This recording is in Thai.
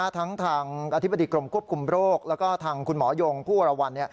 ทั้งทางอธิบดีกรมควบคุมโรคแล้วก็ทางคุณหมอยงผู้วรวรรณ